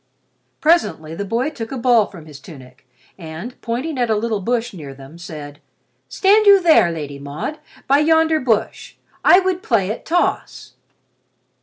Presently the boy took a ball from his tunic, and, pointing at a little bush near them, said, "Stand you there, Lady Maud, by yonder bush. I would play at toss."